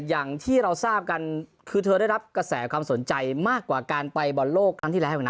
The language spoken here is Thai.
อย่างที่เราทราบกันคือเธอได้รับกระแสความสนใจมากกว่าการไปบอลโลกครั้งที่แล้วนะ